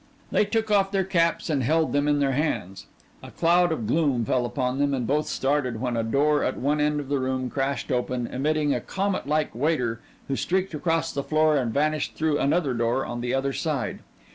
They took off their caps and held them in their hands. A cloud of gloom fell upon them and both started when a door at one end of the room crashed open, emitting a comet like waiter who streaked across the floor and vanished through another door on the other side.